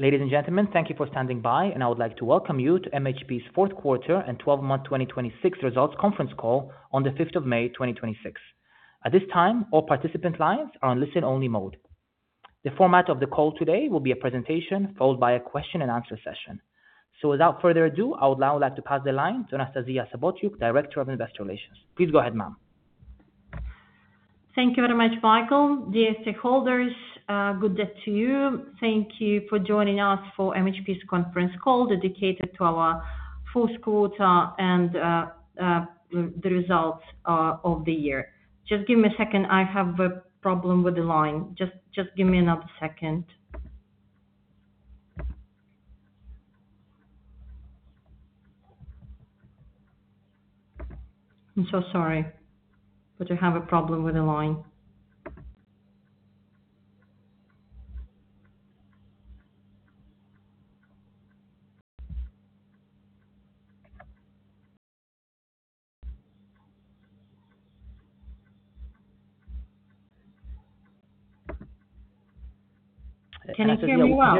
Ladies and gentlemen, thank you for standing by, and I would like to welcome you to MHP's 4th quarter and 12-month 2026 results conference call on the 5th of May, 2026. At this time, all participant lines are on listen-only mode. The format of the call today will be a presentation followed by a question and answer session. Without further ado, I would now like to pass the line to Anastasiya Sobotyuk, Director of Investor Relations. Please go ahead, ma'am. Thank you very much, Michael. Dear stakeholders, good day to you. Thank you for joining us for MHP's conference call dedicated to our fourth quarter and the results of the year. Just give me a second. I have a problem with the line. Just give me another second. I'm so sorry, but I have a problem with the line. Can you hear me well?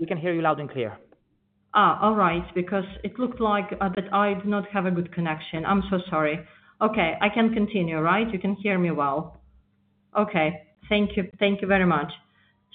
We can hear you loud and clear. All right. Because it looked like that I do not have a good connection. I'm so sorry. I can continue, right? You can hear me well. Thank you. Thank you very much.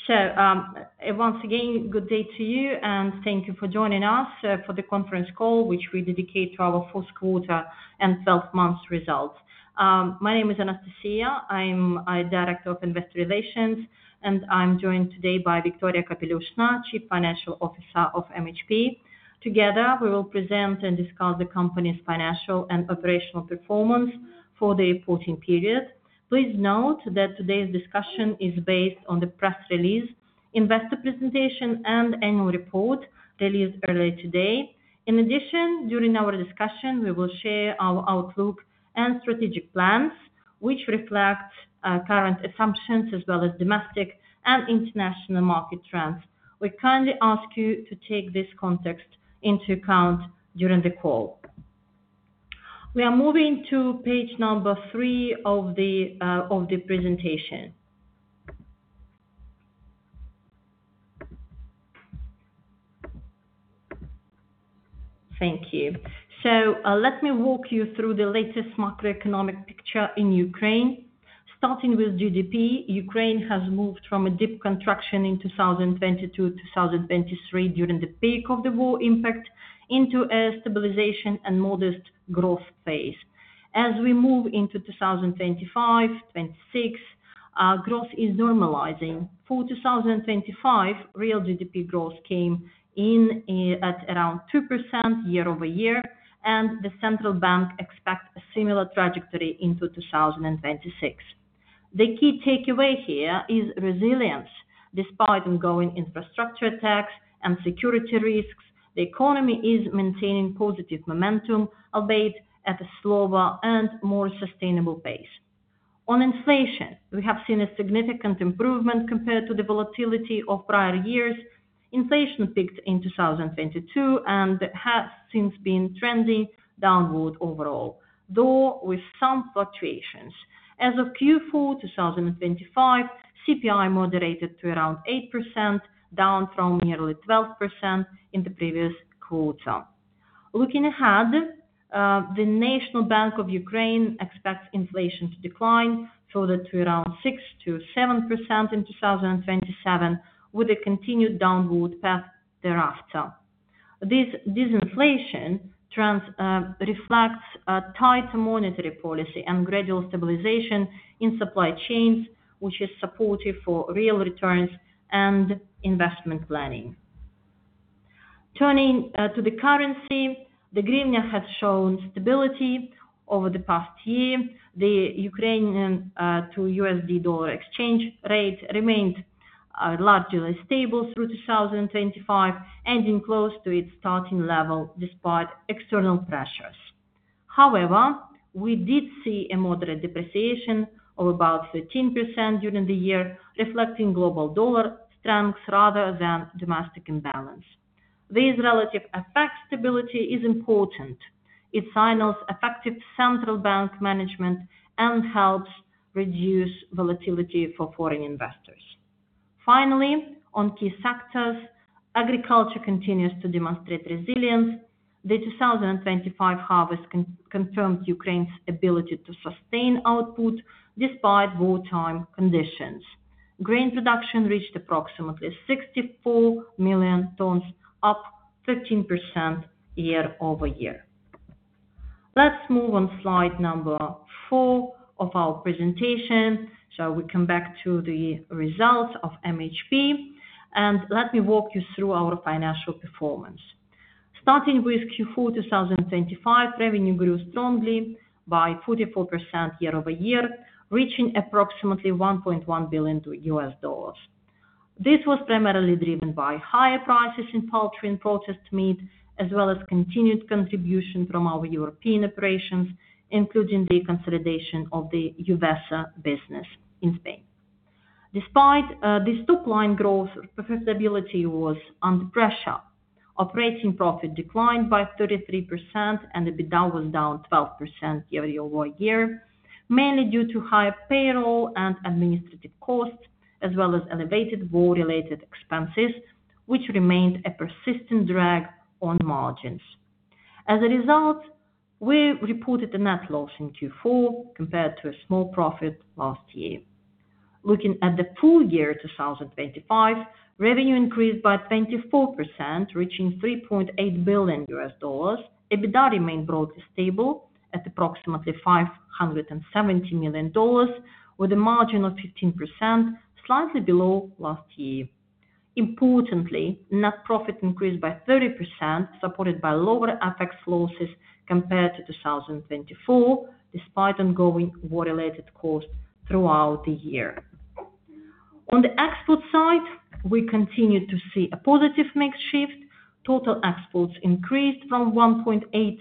Once again, good day to you and thank you for joining us for the conference call, which we dedicate to our fourth quarter and 12 months results. My name is Anastasiya. I'm Director of Investor Relations, and I'm joined today by Viktoriia Kapeliushna, Chief Financial Officer of MHP. Together, we will present and discuss the company's financial and operational performance for the reporting period. Please note that today's discussion is based on the press release, investor presentation and annual report released earlier today. In addition, during our discussion, we will share our outlook and strategic plans, which reflect current assumptions as well as domestic and international market trends. We kindly ask you to take this context into account during the call. We are moving to page three of the presentation. Thank you. Let me walk you through the latest macroeconomic picture in Ukraine. Starting with GDP, Ukraine has moved from a deep contraction in 2022 to 2023 during the peak of the war impact into a stabilization and modest growth phase. As we move into 2025, 2026, growth is normalizing. For 2025, real GDP growth came in at around 2% year-over-year, the central bank expects a similar trajectory into 2026. The key takeaway here is resilience. Despite ongoing infrastructure attacks and security risks, the economy is maintaining positive momentum, albeit at a slower and more sustainable pace. On inflation, we have seen a significant improvement compared to the volatility of prior years. Inflation peaked in 2022 and has since been trending downward overall, though with some fluctuations. As of Q4 2025, CPI moderated to around 8%, down from nearly 12% in the previous quarter. Looking ahead, the National Bank of Ukraine expects inflation to decline further to around 6%-7% in 2027, with a continued downward path thereafter. This disinflation reflects a tighter monetary policy and gradual stabilization in supply chains, which is supportive for real returns and investment planning. Turning to the currency, the Hryvnia has shown stability over the past year. The Ukrainian to USD dollar exchange rate remained largely stable through 2025, ending close to its starting level despite external pressures. We did see a moderate depreciation of about 13% during the year, reflecting global dollar strength rather than domestic imbalance. This relative effective stability is important. It signals effective central bank management and helps reduce volatility for foreign investors. On key sectors, agriculture continues to demonstrate resilience. The 2025 harvest confirmed Ukraine's ability to sustain output despite wartime conditions. Grain production reached approximately 64 million tons, up 15% year-over-year. Let's move on slide four of our presentation, so we come back to the results of MHP, and let me walk you through our financial performance. Starting with Q4 2025, revenue grew strongly by 44% year-over-year, reaching approximately $1.1 billion. This was primarily driven by higher prices in poultry and processed meat, as well as continued contribution from our European operations, including the consolidation of the UVESA business in Spain. Despite this top line growth, profitability was under pressure. Operating profit declined by 33% and the EBITDA was down 12% year-over-year, mainly due to higher payroll and administrative costs, as well as elevated war-related expenses, which remained a persistent drag on margins. As a result, we reported a net loss in Q4 compared to a small profit last year. Looking at the full year 2025, revenue increased by 24%, reaching $3.8 billion. EBITDA remained broadly stable at approximately $570 million, with a margin of 15%, slightly below last year. Importantly, net profit increased by 30%, supported by lower FX losses compared to 2024, despite ongoing war-related costs throughout the year. On the export side, we continued to see a positive mix shift. Total exports increased from $1.8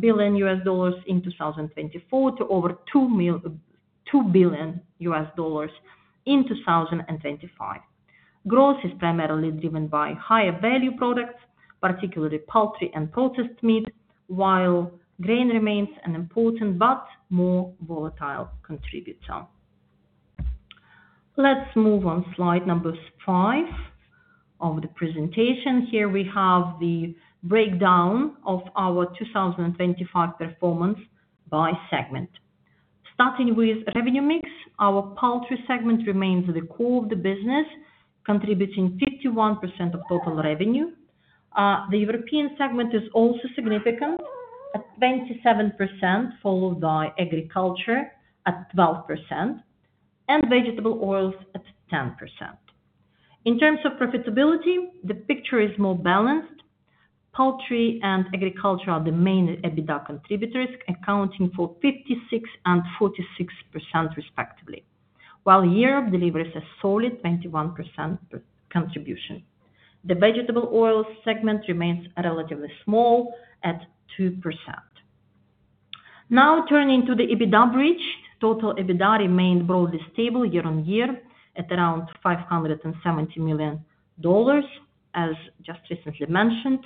billion in 2024 to over $2 billion in 2025. Growth is primarily driven by higher value products, particularly poultry and processed meat, while grain remains an important but more volatile contributor. Let's move on slide number five of the presentation. Here we have the breakdown of our 2025 performance by segment. Starting with revenue mix, our poultry segment remains the core of the business, contributing 51% of total revenue. The European segment is also significant at 27%, followed by agriculture at 12% and vegetable oils at 10%. In terms of profitability, the picture is more balanced. Poultry and agriculture are the main EBITDA contributors, accounting for 56% and 46% respectively. While Europe delivers a solid 21% contribution. The vegetable oil segment remains relatively small at 2%. Now turning to the EBITDA bridge. Total EBITDA remained broadly stable year on year at around $570 million, as just recently mentioned.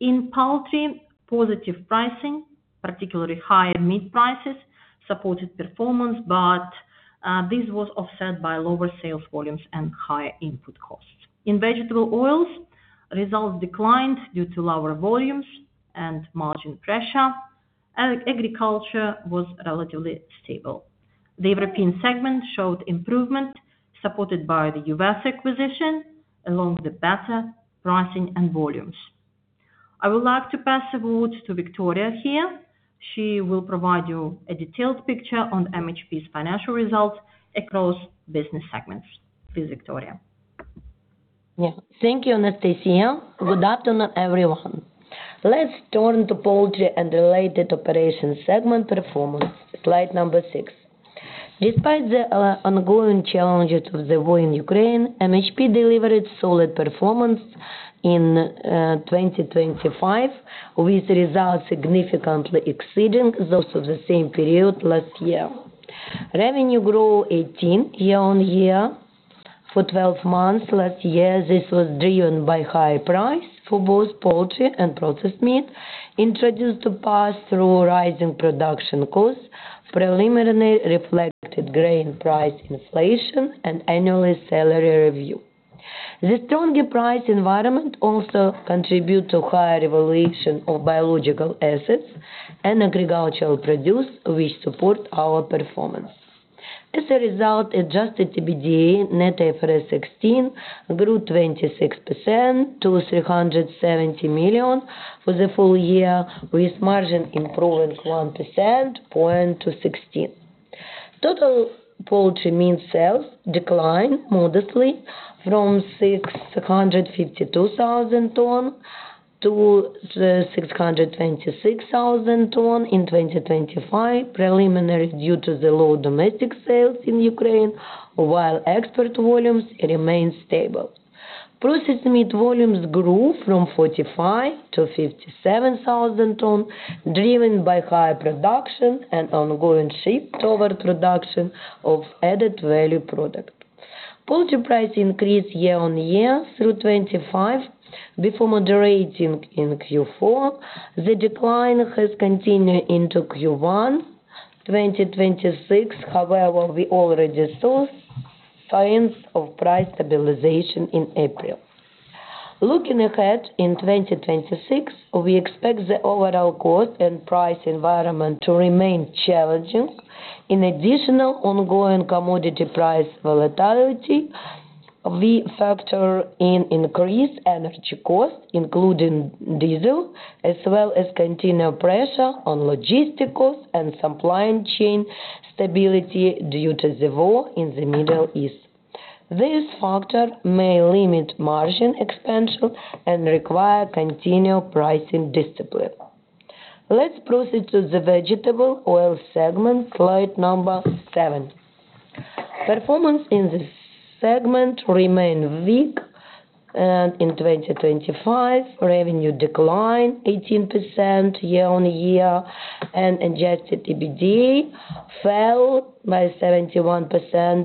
In poultry, positive pricing, particularly higher meat prices, supported performance, but this was offset by lower sales volumes and higher input costs. In vegetable oils, results declined due to lower volumes and margin pressure. Agriculture was relatively stable. The European segment showed improvement supported by the UVESA acquisition, along with the better pricing and volumes. I would like to pass the word to Viktoriia here. She will provide you a detailed picture on MHP's financial results across business segments. Please, Viktoriia. Thank you, Anastasiya. Good afternoon, everyone. Let's turn to poultry and related operations segment performance, slide number six. Despite the ongoing challenges of the war in Ukraine, MHP delivered solid performance in 2025, with results significantly exceeding those of the same period last year. Revenue grew 18% year-on-year for 12 months last year. This was driven by high price for both poultry and processed meat, introduced to pass through rising production costs, preliminary reflected grain price inflation and annually salary review. The stronger price environment also contribute to higher evolution of biological assets and agricultural produce, which support our performance. As a result, adjusted EBITDA net IFRS 16 grew 26% to UAH 370 million for the full year, with margin improving 1 percentage points to 16%. Total poultry meat sales declined modestly from 652,000 tons to 626,000 tons in 2025, primarily due to the low domestic sales in Ukraine, while export volumes remained stable. Processed meat volumes grew from 45,000 tons to 57,000 tons, driven by higher production and ongoing shift toward production of added-value product. Poultry price increased year-on-year through 2025 before moderating in Q4. The decline has continued into Q1 2026. However, we already saw signs of price stabilization in April. Looking ahead, in 2026, we expect the overall cost and price environment to remain challenging. In addition to ongoing commodity price volatility, we factor in increased energy cost, including diesel, as well as continued pressure on logistics costs and supply chain stability due to the war in the Middle East. This factor may limit margin expansion and require continued pricing discipline. Let's proceed to the vegetable oil segment, slide seven. Performance in this segment remained weak in 2025. Revenue declined 18% year-on-year, and adjusted EBITDA fell by 71%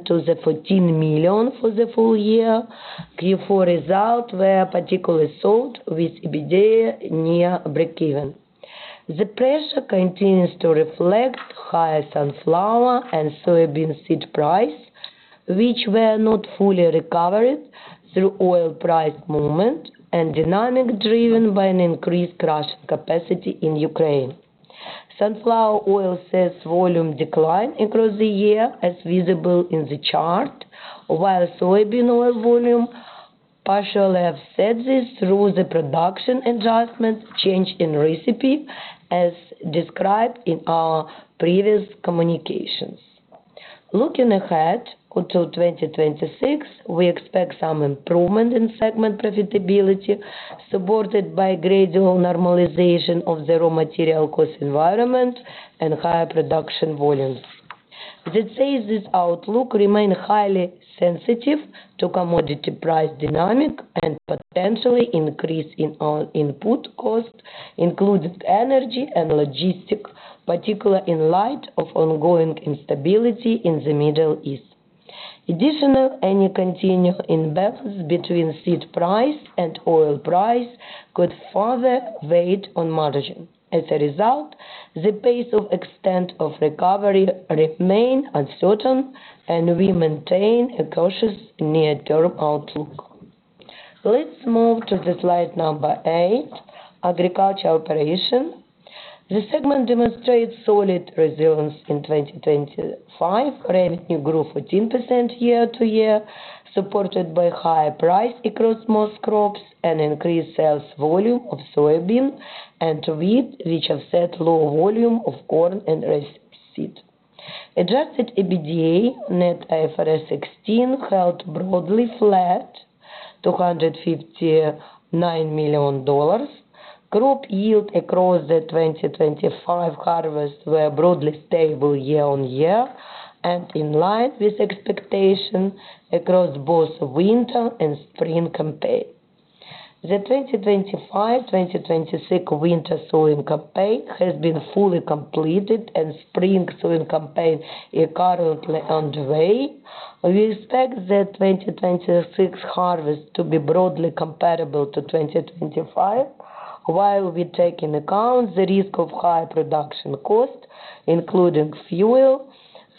to UAH 14 million for the full year. Q4 results were particularly soft with EBITDA near breakeven. The pressure continues to reflect higher sunflower and soybean seed price, which were not fully recovered through oil price movement and dynamic driven by an increased crushing capacity in Ukraine. Sunflower oil sales volume declined across the year as visible in the chart, while soybean oil volume partially offset this through the production adjustments change in recipe as described in our previous communications. Looking ahead until 2026, we expect some improvement in segment profitability, supported by gradual normalization of the raw material cost environment and higher production volumes. That said, this outlook remain highly sensitive to commodity price dynamic and potentially increase in our input cost, including energy and logistics, particularly in light of ongoing instability in the Middle East. Additional, any continue imbalance between seed price and oil price could further weigh on margin. As a result, the pace of extent of recovery remain uncertain, and we maintain a cautious near-term outlook. Let's move to the slide number eight, agriculture operation. The segment demonstrates solid resilience in 2025. Revenue grew 14% year-over-year, supported by higher price across most crops and increased sales volume of soybean and wheat, which offset low volume of corn and rapeseed. Adjusted EBITDA net IFRS 16 held broadly flat, UAH 259 million. Crop yield across the 2025 harvest were broadly stable year-on-year and in line with expectation across both winter and spring campaign. The 2025/2026 winter sowing campaign has been fully completed. Spring sowing campaign are currently underway. We expect the 2026 harvest to be broadly comparable to 2025, while we take in account the risk of higher production cost, including fuel,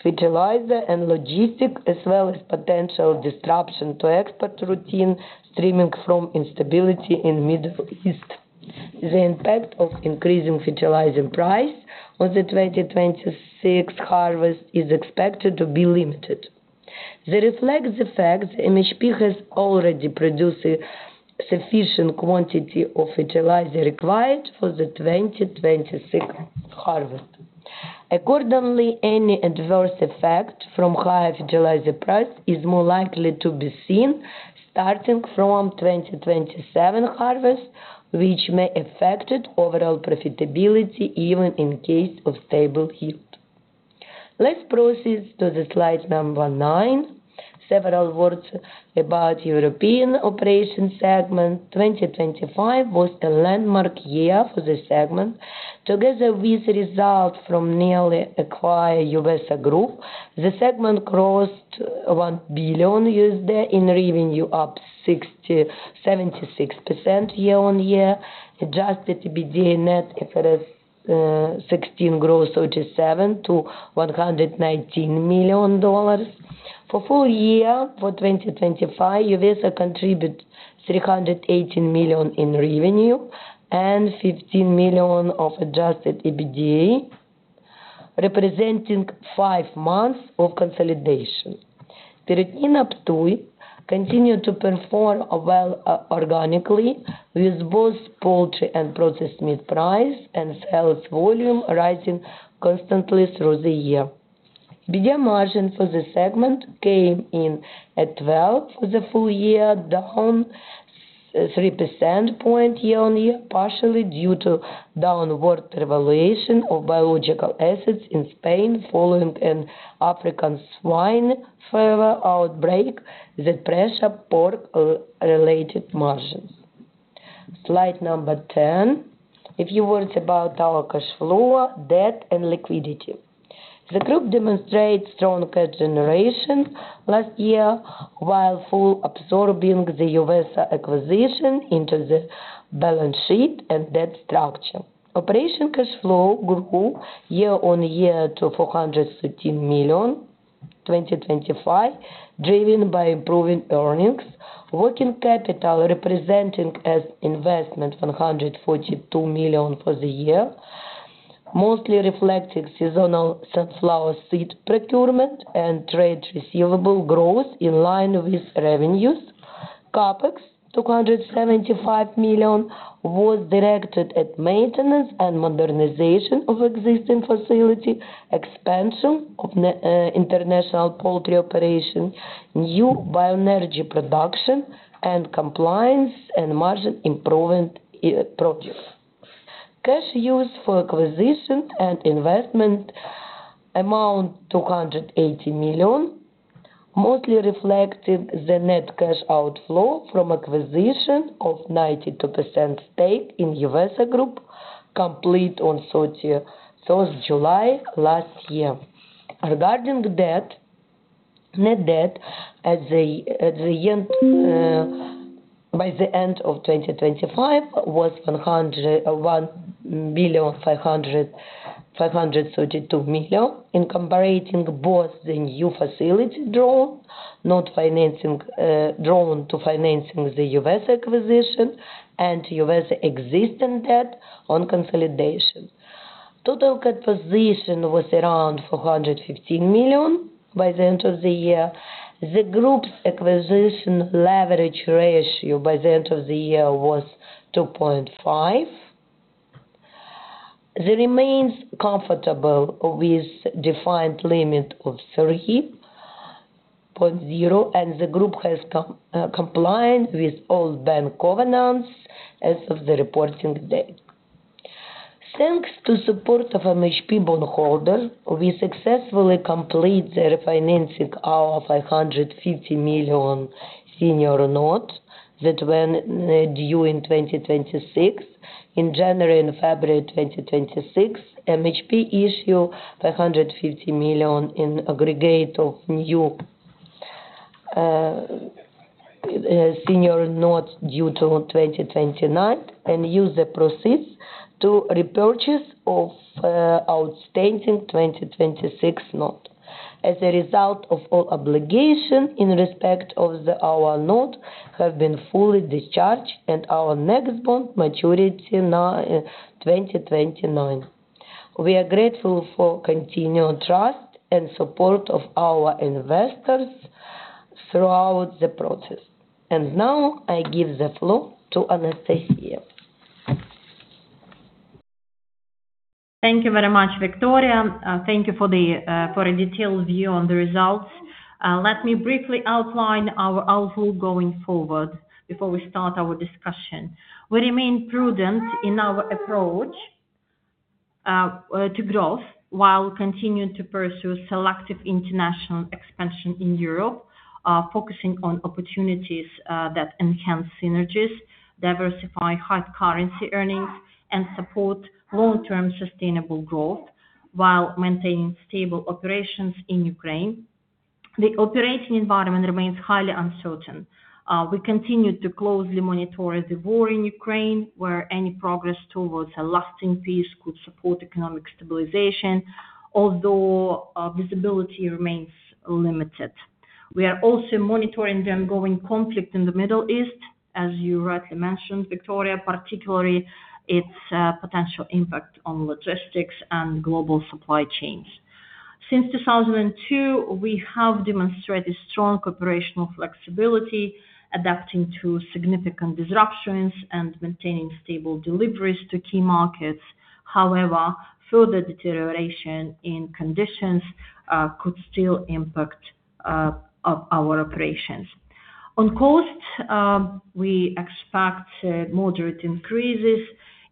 fertilizer, and logistics, as well as potential disruption to export routine stemming from instability in Middle East. The impact of increasing fertilizer price on the 2026 harvest is expected to be limited. That reflects the fact MHP has already produced a sufficient quantity of fertilizer required for the 2026 harvest. Accordingly, any adverse effect from higher fertilizer price is more likely to be seen starting from 2027 harvest, which may affected overall profitability even in case of stable yield. Let's proceed to the slide number nine. Several words about European operation segment. 2025 was a landmark year for the segment. Together with results from newly acquired UVESA Group, the segment crossed $1 billion in revenue, up 76% year on year. Adjusted EBITDA net IFRS 16 grows 37% to $119 million. For full year for 2025, UVESA contribute $318 million in revenue and $15 million of adjusted EBITDA, representing five months of consolidation. Perutnina Ptuj continued to perform well organically with both poultry and processed meat price and sales volume rising consistently through the year. EBITDA margin for the segment came in at 12% for the full year, down 3 percentage points year-on-year, partially due to downward revaluation of biological assets in Spain following an African swine fever outbreak that pressure pork related margins. Slide number 10. A few words about our cash flow, debt, and liquidity. The group demonstrates strong cash generation last year while full absorbing the UVESA acquisition into the balance sheet and debt structure. Operation cash flow grew year-on-year to UAH 413 million, 2025, driven by improving earnings. Working capital representing as investment UAH 142 million for the year, mostly reflecting seasonal sunflower seed procurement and trade receivable growth in line with revenues. CapEx, UAH 275 million, was directed at maintenance and modernization of existing facility, expansion of international poultry operation, new bioenergy production, and compliance and margin improvement projects. Cash used for acquisitions and investment amount UAH 280 million, mostly reflecting the net cash outflow from acquisition of 92% stake in UVESA Group, complete on 31st July last year. Net debt at the end by the end of 2025 was UAH 1.532 billion, incorporating both the new facility drawn to financing the UVESA acquisition and UVESA existing debt on consolidation. Total composition was around UAH 415 million by the end of the year. The group's acquisition leverage ratio by the end of the year was 2.5. It remains comfortable with defined limit of 30.0. The group has compliant with all bank covenants as of the reporting date. Thanks to support of MHP bondholder, we successfully complete the refinancing our $550 million senior notes that were due in 2026. In January and February 2026, MHP issue $550 million in aggregate of new senior notes due to 2029 and use the proceeds to repurchase of outstanding 2026 note. As a result of all obligation in respect of our note have been fully discharged. Our next bond maturity now 2029. We are grateful for continued trust and support of our investors throughout the process. Now I give the floor to Anastasiya. Thank you very much, Viktoriia. Thank you for the for a detailed view on the results. Let me briefly outline our view going forward before we start our discussion. We remain prudent in our approach to growth while continuing to pursue selective international expansion in Europe, focusing on opportunities that enhance synergies, diversify hard currency earnings, and support long-term sustainable growth while maintaining stable operations in Ukraine. The operating environment remains highly uncertain. We continue to closely monitor the war in Ukraine, where any progress towards a lasting peace could support economic stabilization, although visibility remains limited. We are also monitoring the ongoing conflict in the Middle East, as you rightly mentioned, Viktoriia, particularly its potential impact on logistics and global supply chains. Since 2002, we have demonstrated strong operational flexibility, adapting to significant disruptions and maintaining stable deliveries to key markets. However, further deterioration in conditions could still impact our operations. On cost, we expect moderate increases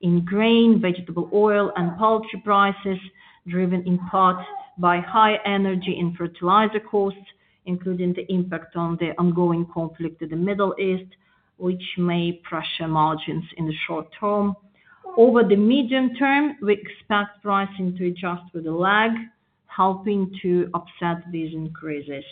in grain, vegetable oil and poultry prices, driven in part by high energy and fertilizer costs, including the impact on the ongoing conflict in the Middle East, which may pressure margins in the short term. Over the medium term, we expect pricing to adjust with a lag, helping to offset these increases.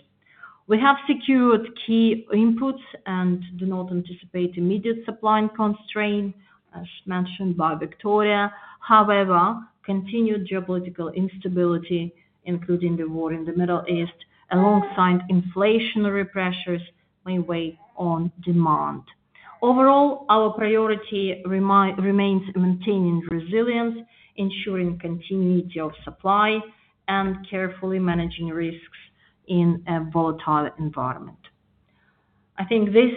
We have secured key inputs and do not anticipate immediate supply constraints, as mentioned by Viktoriia. However, continued geopolitical instability, including the war in the Middle East, alongside inflationary pressures may weigh on demand. Overall, our priority remains maintaining resilience, ensuring continuity of supply, and carefully managing risks in a volatile environment. I think this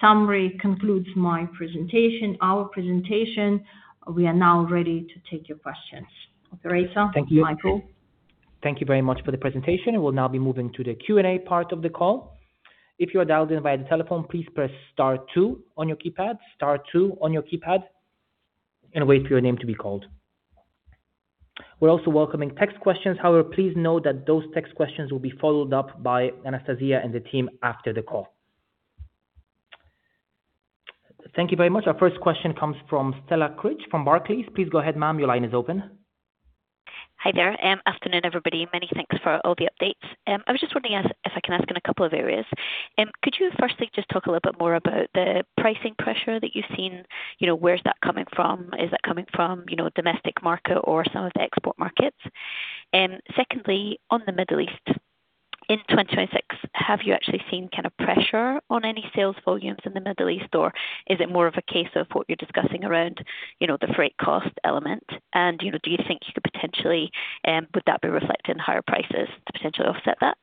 summary concludes my presentation, our presentation. We are now ready to take your questions. Operator, Michael. Thank you. Thank you very much for the presentation. We'll now be moving to the Q&A part of the call. If you are dialed in via the telephone, please press star two on your keypad. Star two on your keypad and wait for your name to be called. We're also welcoming text questions. Please note that those text questions will be followed up by Anastasiya and the team after the call. Thank you very much. Our first question comes from Stella Cridge from Barclays. Please go ahead, ma'am. Your line is open. Hi there. Afternoon, everybody. Many thanks for all the updates. I was just wondering if I can ask in a couple of areas. Could you firstly just talk a little bit more about the pricing pressure that you've seen? You know, where's that coming from? Is that coming from, you know, domestic market or some of the export markets? Secondly, on the Middle East, in 2026, have you actually seen kind of pressure on any sales volumes in the Middle East, or is it more of a case of what you're discussing around, you know, the freight cost element? You know, do you think you could potentially, would that be reflected in higher prices to potentially offset that?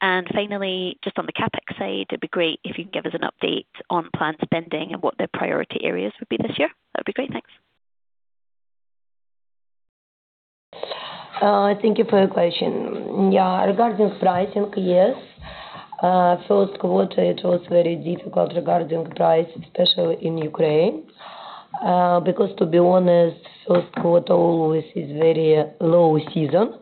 Finally, just on the CapEx side, it'd be great if you could give us an update on planned spending and what the priority areas would be this year. That'd be great. Thanks. Thank you for your question. Regarding pricing, yes, first quarter, it was very difficult regarding price, especially in Ukraine, because to be honest, first quarter always is very low season.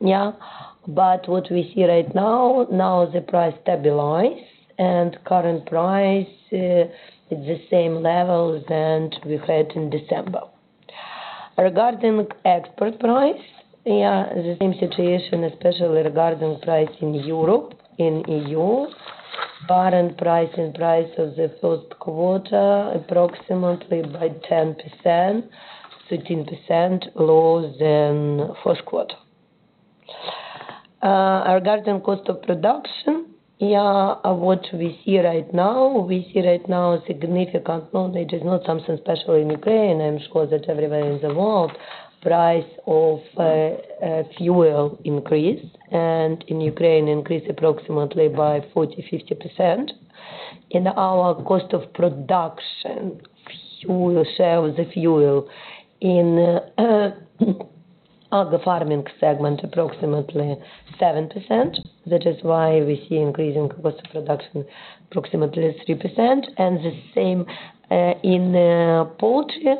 What we see right now the price stabilize and current price is the same level than we had in December. Regarding export price, the same situation, especially regarding price in Europe, in EU. Current price and price of the first quarter approximately by 10%, 13% lower than fourth quarter. Regarding cost of production, what we see right now, we see right now significant. It is not something special in Ukraine. I'm sure that everywhere in the world price of fuel increase, and in Ukraine increase approximately by 40%, 50%. In our cost of production, fuel share of the fuel in agrifarming segment approximately 7%. That is why we see increasing cost of production approximately 3%. The same in poultry.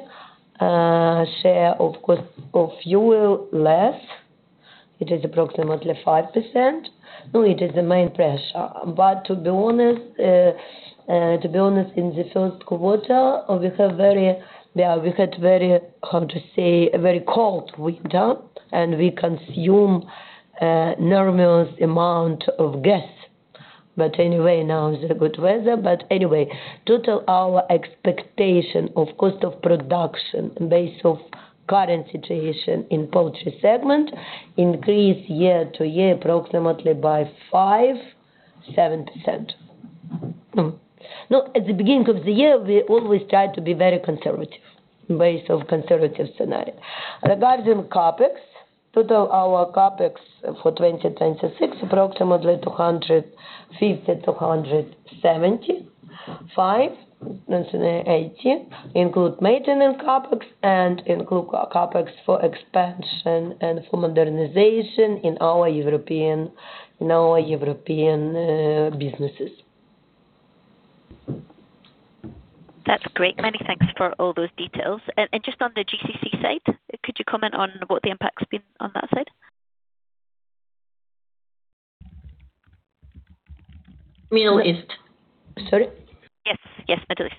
Share of cost of fuel less. It is approximately 5%. It is the main pressure. In the first quarter, we had very, how to say, very cold winter, and we consume enormous amount of gas. Now is a good weather. Total our expectation of cost of production based of current situation in poultry segment increase year to year approximately by 5%, 7%. At the beginning of the year, we always try to be very conservative, based on conservative scenario. Regarding CapEx, total our CapEx for 2026 approximately UAH 250 million, UAH 275 million, UAH 1,980 million include maintenance CapEx and include CapEx for expansion and for modernization in our European businesses. That's great. Many thanks for all those details. Just on the GCC side, could you comment on what the impact's been on that side? Middle East. Sorry? Yes, yes, Middle East.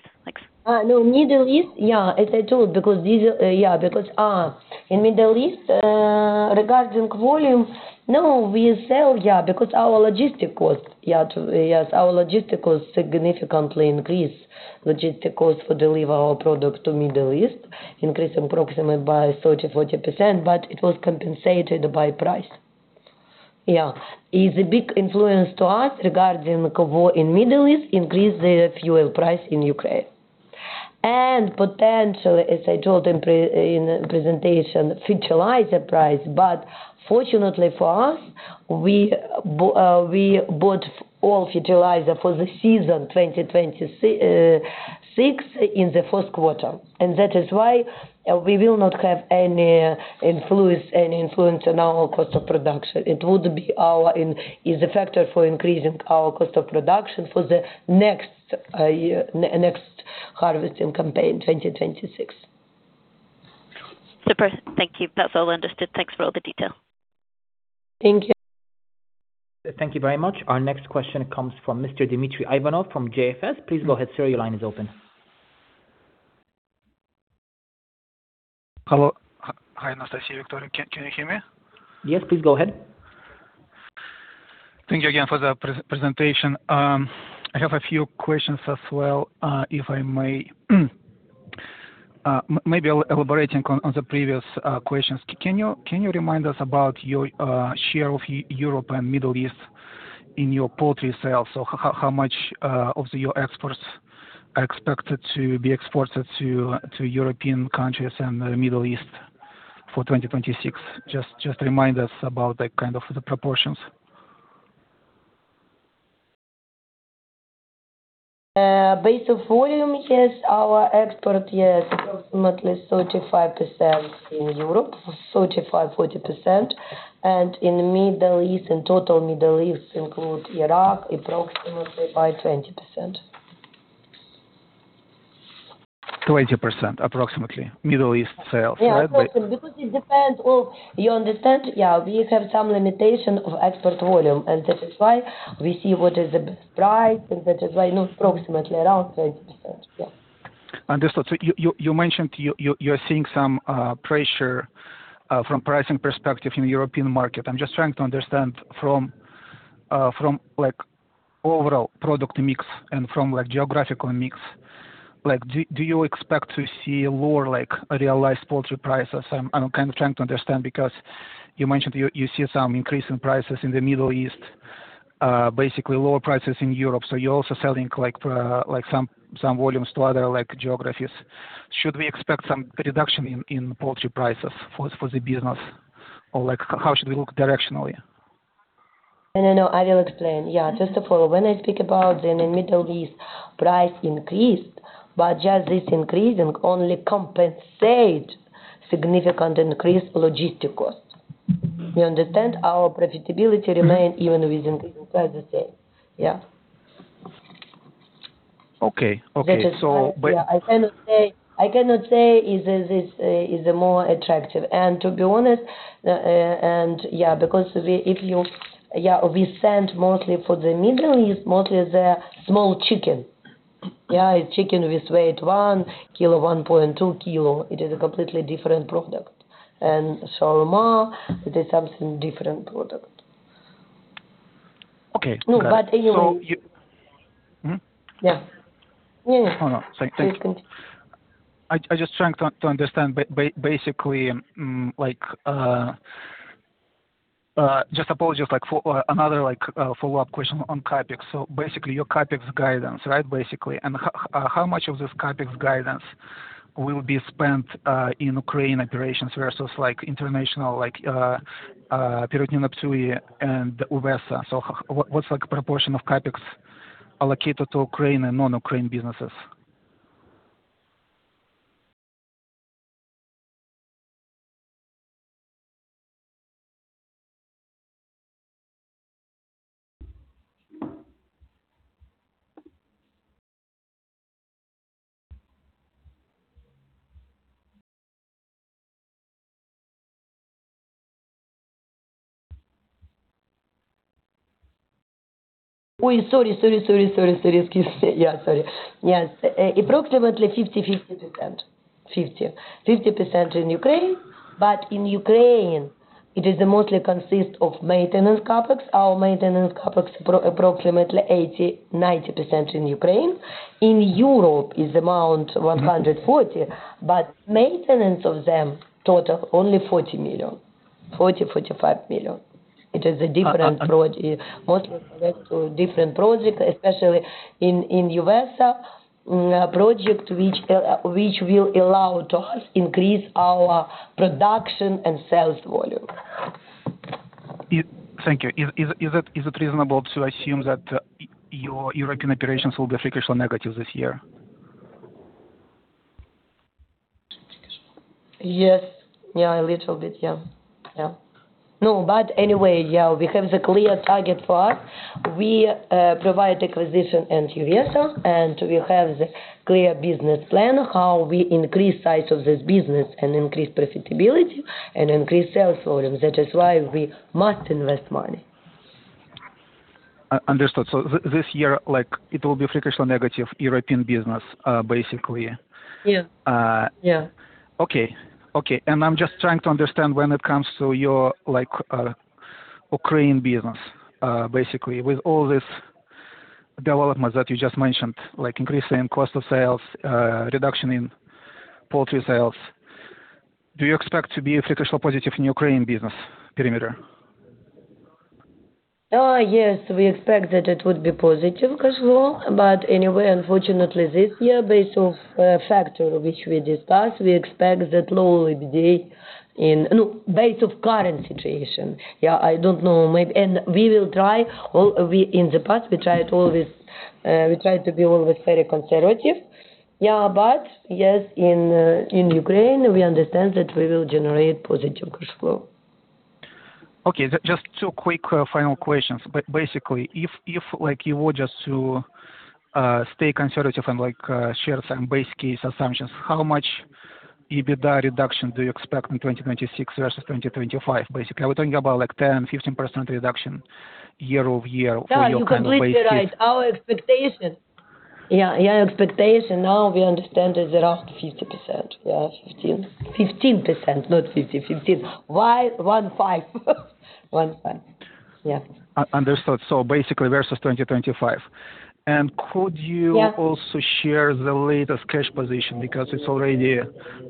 Thanks. Middle East. As I told, because these, because in Middle East, regarding volume, we sell because our logistic cost significantly increase. Logistic cost for deliver our product to Middle East increase approximately by 30%, 40%, but it was compensated by price. It's a big influence to us regarding the war in Middle East increase the fuel price in Ukraine. Potentially, as I told in pre-in presentation, fertilizer price. Fortunately for us, we bought all fertilizer for the season 2026 in the first quarter. That is why, we will not have any influence, any influence on our cost of production. It would be our in Is a factor for increasing our cost of production for the next, year, next harvesting campaign, 2026. Super. Thank you. That's all understood. Thanks for all the detail. Thank you. Thank you very much. Our next question comes from Mr. Dmitry Ivanov from Jefferies. Please go ahead, sir. Your line is open. Hello. Hi, Anastasiya, Viktoriia. Can you hear me? Yes, please go ahead. Thank you again for the presentation. I have a few questions as well, if I may. Maybe elaborating on the previous questions. Can you remind us about your share of Europe and Middle East in your poultry sales? How much of your exports are expected to be exported to European countries and the Middle East for 2026? Just remind us about the kind of the proportions. Based on volume, yes, our export, yes, approximately 35% in Europe, 35%, 40%. In Middle East, in total Middle East, include Iraq, approximately by 20%. 20%, approximately, Middle East sales, right? Yeah, approximately. It depends on You understand? Yeah, we have some limitation of export volume, and that is why we see what is the price, and that is why, no, approximately around 20%. Yeah. Understood. You mentioned you're seeing some pressure from pricing perspective in European market. I'm just trying to understand from, like, overall product mix and from, like, geographical mix. Do you expect to see lower, like, realized poultry prices? I'm kind of trying to understand because you mentioned you see some increase in prices in the Middle East, basically lower prices in Europe. You're also selling like some volumes to other, like, geographies. Should we expect some reduction in poultry prices for the business? How should we look directionally? No, no, I will explain. Yeah. First of all, when I speak about in the Middle East price increased, but just this increase only compensate significant increased logistic cost. You understand? Our profitability remain even with increase in price the same. Yeah. Okay. Okay. That is why. I cannot say, I cannot say is this more attractive. To be honest, because we send mostly for the Middle East, mostly the small chicken. Chicken with weight 1 kg, 1.2 kg. It is a completely different product. Shawarma, it is something different product. Okay, got it. No, but anyway. You- Mm? Yeah. Yeah. Oh, no. Thank you. I just trying to understand basically, like, just apologies, like for another like follow-up question on CapEx. Basically your CapEx guidance, right? Basically. How much of this CapEx guidance will be spent in Ukraine operations versus like international, like Perutnina Ptuj and UVESA? What's like proportion of CapEx allocated to Ukraine and non-Ukraine businesses? Sorry. Excuse me. Approximately 50%. 50% in Ukraine, in Ukraine it is mostly consist of maintenance CapEx. Our maintenance CapEx approximately 80%-90% in Ukraine. In Europe is amount UAH 140 million, maintenance of them total only UAH 40 million, UAH 45 million. It is a different project. Mostly related to different project, especially in UVESA, project which will allow to us increase our production and sales volume. Thank you. Is it reasonable to assume that your European operations will be free cash flow negative this year? Yes. Yeah, a little bit. Yeah. Yeah. Anyway, yeah, we have the clear target for. We provide acquisition in UVESA, and we have the clear business plan how we increase size of this business and increase profitability and increase sales volume. That is why we must invest money. Understood. this year, like it will be free cash flow negative European business, basically. Yeah. Uh- Yeah. Okay. Okay. I'm just trying to understand when it comes to your like, Ukraine business, basically with all this development that you just mentioned, like increase in cost of sales, reduction in poultry sales, do you expect to be a free cash flow positive in Ukraine business perimeter? Yes, we expect that it would be positive cash flow. Unfortunately, this year, based on current situation, we expect that low EBITDA. I don't know, maybe we will try. In the past, we tried to be always very conservative. In Ukraine, we understand that we will generate positive cash flow. Okay. Just two quick final questions. Basically, if like you were just to stay conservative and like share some base case assumptions, how much EBITDA reduction do you expect in 2026 versus 2025 basically? Are we talking about like 10%, 15% reduction year-over-year for your kind of base case? No, you completely right. Our expectation now we understand is around 50%. Yeah. 15%. 15%, not 50. 15. one five, one five. Yeah. Understood. Basically versus 2025. Could you- Yeah -also share the latest cash position? It's already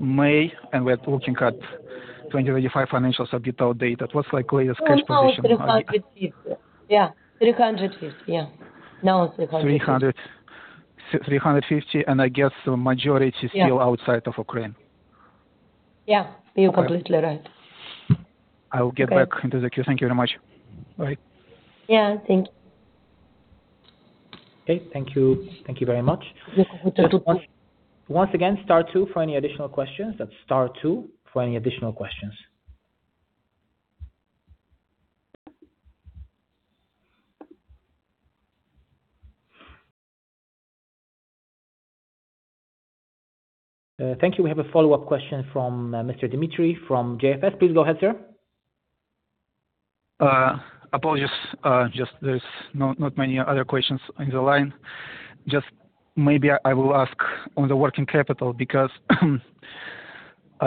May and we're looking at 2025 financials are due to update. What's like latest cash position like? Now it's 350. Yeah. 350, yeah. Now it's 350. 350. I guess the majority- Yeah is still outside of Ukraine. Yeah. You're completely right. I will get back into the queue. Thank you very much. All right. Yeah. Thank you. Okay. Thank you. Thank you very much. Yes. Once again, star two for any additional questions. That's star two for any additional questions. Thank you. We have a follow-up question from Mr. Dmitry from Jefferies. Please go ahead, sir. Apologies. Just there's not many other questions in the line. Just maybe I will ask on the working capital because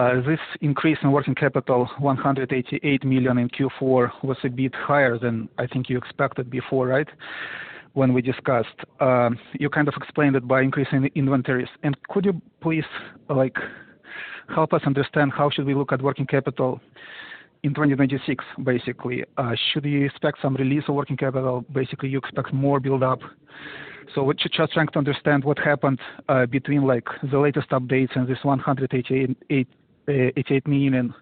this increase in working capital, UAH 188 million in Q4, was a bit higher than I think you expected before, right? When we discussed. You kind of explained it by increasing the inventories. Could you please like help us understand how should we look at working capital in 2026 basically? Should we expect some release of working capital? Basically, you expect more build-up? We're just trying to understand what happened between like the latest updates and this UAH 188 million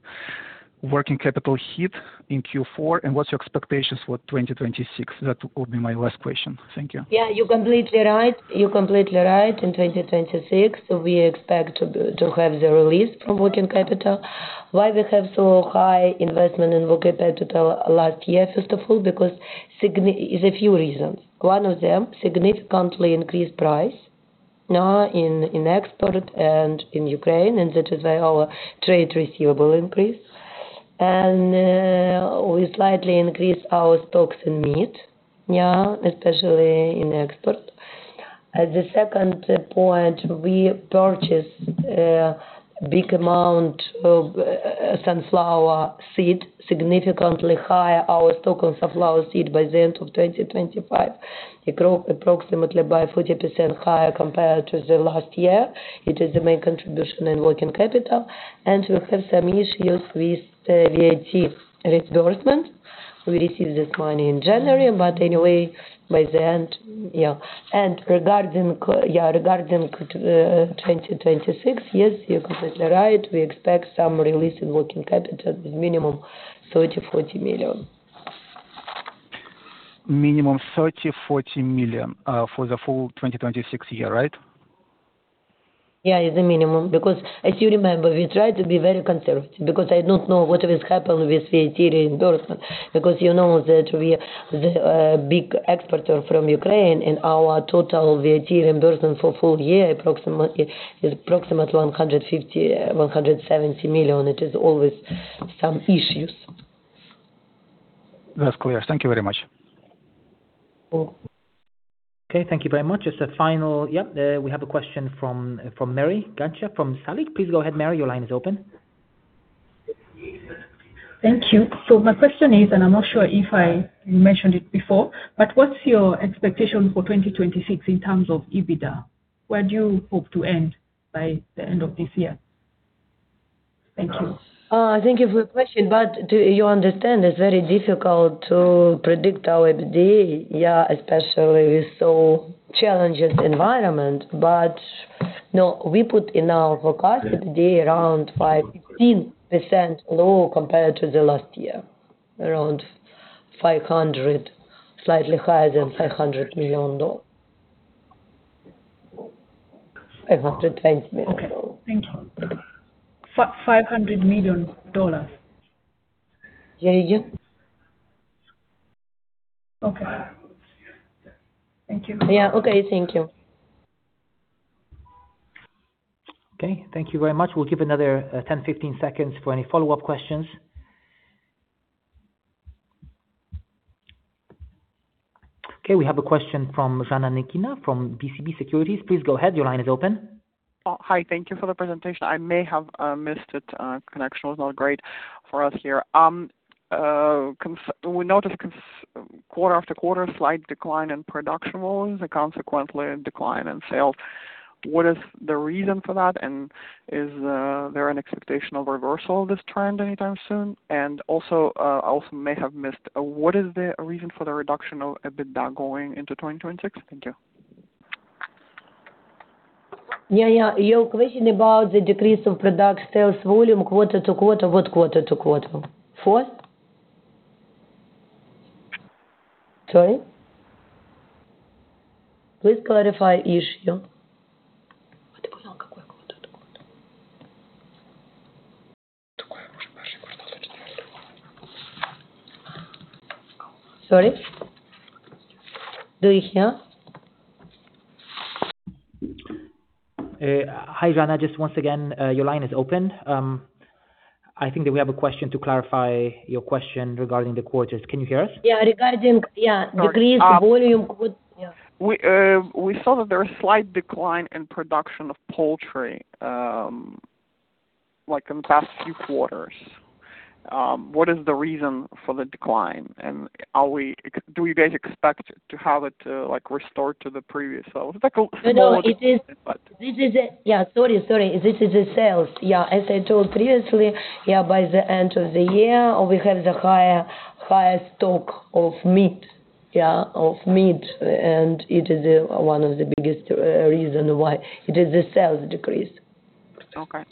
working capital hit in Q4, and what's your expectations for 2026? That would be my last question. Thank you. Yeah. You're completely right. In 2026, we expect to have the release from working capital. Why we have so high investment in working capital last year, first of all, because there are a few reasons. One of them, significantly increased price in export and in Ukraine, that is why our trade receivable increased. We slightly increased our stocks in meat, yeah, especially in export. At the second point, we purchased a big amount of sunflower seed, significantly higher our stock of sunflower seed by the end of 2025. It grew approximately by 40% higher compared to the last year. It is the main contribution in working capital. We have some issues with the VAT reimbursement. We receive this money in January, but anyway, by the end, yeah. Regarding 2026, yes, you're completely right. We expect some release in working capital with minimum UAH 30 million, UAH 40 million. Minimum UAH 30 million, UAH 40 million for the full 2026 year, right? Yeah, is the minimum. As you remember, we tried to be very conservative because I don't know what has happened with VAT reimbursement. You know that we are the big exporter from Ukraine, and our total VAT reimbursement for full year approximately is approximately UAH 150 million, UAH 170 million. It is always some issues. That's clear. Thank you very much. Oh. Okay, thank you very much. As a final Yep, we have a question from Mary Gachanja from SALIC. Please go ahead, Mary. Your line is open. Thank you. My question is, and I'm not sure if you mentioned it before, but what's your expectation for 2026 in terms of EBITDA? Where do you hope to end by the end of this year? Thank you. Thank you for your question, do you understand it's very difficult to predict our EBITDA, yeah, especially with so challenges environment. No, we put in our forecast EBITDA around 5%, 15% low compared to the last year. Around $500 million, slightly higher than $510 million. Okay. Thank you. $500 million? Yeah, yes. Okay. Thank you. Yeah. Okay. Thank you. Okay. Thank you very much. We'll give another 10, 15 seconds for any follow-up questions. Okay, we have a question from Zhanna Nekina from BCB Securities. Please go ahead. Your line is open. Oh, hi. Thank you for the presentation. I may have missed it. Connection was not great for us here. We noticed Quarter after quarter, slight decline in production volumes and consequently a decline in sales. What is the reason for that? Is there an expectation of reversal of this trend anytime soon? I also may have missed, what is the reason for the reduction of EBITDA going into 2026? Thank you. Yeah. Your question about the decrease of product sales volume quarter to quarter, what quarter to quarter? Fourth? Sorry. Please clarify issue. Sorry. Do you hear? Hi, Zhanna. Just once again, your line is open. I think that we have a question to clarify your question regarding the quarters. Can you hear us? Yeah, regarding Yeah. Decrease the volume. What Yeah. We saw that there is slight decline in production of poultry, like in the past few quarters. What is the reason for the decline? Do you guys expect to have it, like restored to the previous level? No, no, it is. But- This is a sorry. This is a sales. As I told previously, by the end of the year, we have the higher stock of meat. It is one of the biggest reason why. It is the sales decrease. Okay.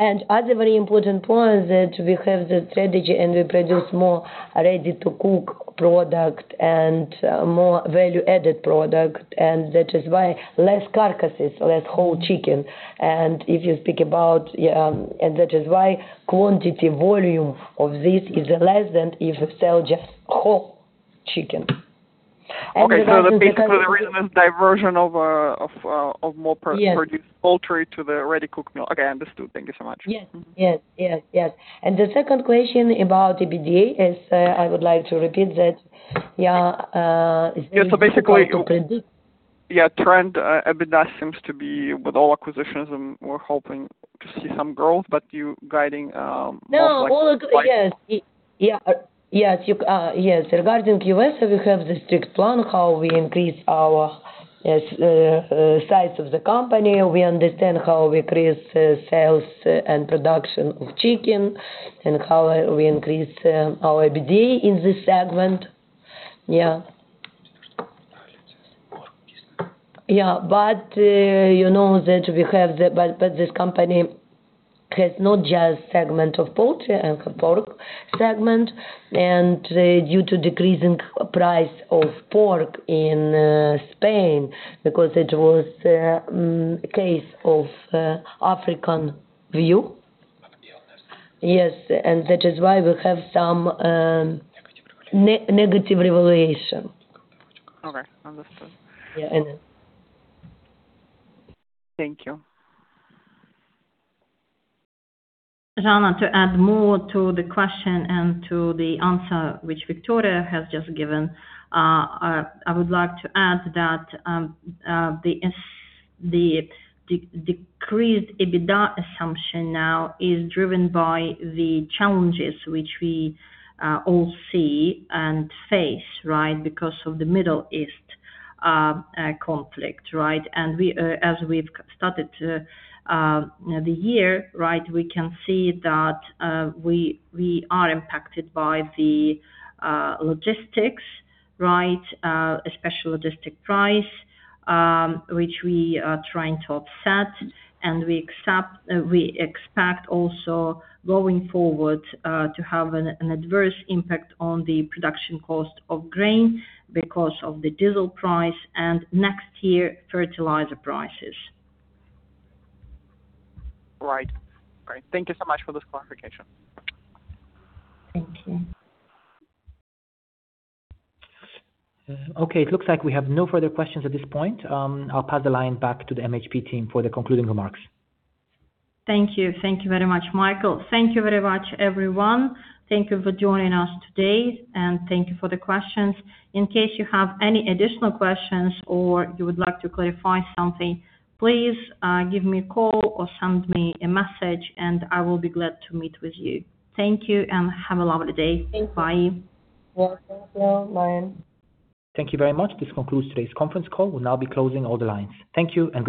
Other very important point that we have the strategy, and we produce more ready-to-cook product and more value-added product, and that is why less carcasses, less whole chicken. If you speak about. Yeah. That is why quantity volume of this is less than if you sell just whole chicken. Regarding the current- Okay. Basically, the reason is diversion of- Yes -produced poultry to the ready-cooked meal. Okay, understood. Thank you so much. Yes. Yes. Yes. Yes. The second question about EBITDA is, I would like to repeat that, it's difficult to predict- Yeah. basically, yeah, trend, EBITDA seems to be with all acquisitions, and we're hoping to see some growth, but you guiding, most likely. No, all Yes. Yes, you Yes. Regarding UVESA, we have the strict plan how we increase our size of the company. We understand how we increase sales and production of chicken and how we increase our EBITDA in this segment. Yeah. Yeah. You know that we have the But this company has not just segment of poultry and pork segment, due to decreasing price of pork in Spain because it was a case of African swine fever. Yes. That is why we have some negative revaluation. Okay. Understood. Yeah. Thank you. Zhanna, to add more to the question and to the answer which Viktoriia has just given, I would like to add that the decreased EBITDA assumption now is driven by the challenges which we all see and face, right? Because of the Middle East conflict, right? We, as we've started to, you know, the year, right, we can see that we are impacted by the logistics, right? Especially logistic price, which we are trying to offset, and we expect also going forward, to have an adverse impact on the production cost of grain because of the diesel price and next year, fertilizer prices. Right. Great. Thank you so much for this clarification. Thank you. It looks like we have no further questions at this point. I'll pass the line back to the MHP team for the concluding remarks. Thank you. Thank you very much, Michael. Thank you very much, everyone. Thank you for joining us today, and thank you for the questions. In case you have any additional questions or you would like to clarify something, please give me a call or send me a message, and I will be glad to meet with you. Thank you, and have a lovely day. Thank you. Bye. Yeah. Thank you. Bye. Thank you very much. This concludes today's conference call. We'll now be closing all the lines. Thank you and bye.